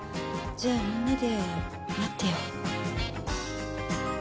じゃあみんなで待ってよう。